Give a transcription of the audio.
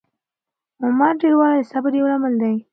عمر ډېروالی د صبر یو لامل دی.